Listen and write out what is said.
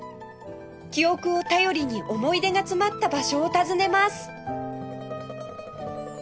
記憶を頼りに思い出が詰まった場所を訪ねます